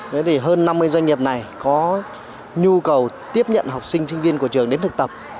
thế thì hơn năm mươi doanh nghiệp này có nhu cầu tiếp nhận học sinh sinh viên của trường đến thực tập